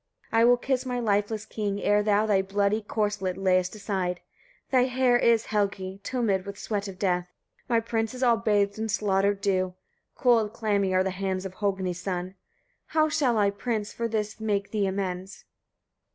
43. I will kiss my lifeless king, ere thou thy bloody corslet layest aside. Thy hair is, Helgi! tumid with sweat of death; my prince is all bathed in slaughter dew; cold, clammy are the hands of Hogni's son. How shall I, prince! for this make thee amends?